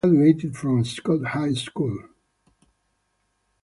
Spitzer graduated from Scott High School.